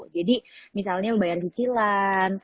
jadi misalnya membayar cicilan